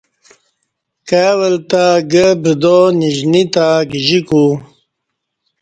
کای ولتہ گہ بدا ن شنی تہ گجیکو